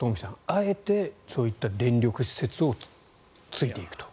あえてそういった電力施設を突いていくと。